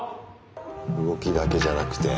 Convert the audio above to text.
動きだけじゃなくて。